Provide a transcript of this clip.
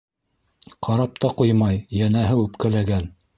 Ҡарап та ҡуймай, йәнәһе, үпкәләгән.